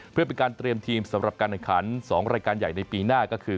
เพื่อเป็นการเตรียมทีมสำหรับการแข่งขัน๒รายการใหญ่ในปีหน้าก็คือ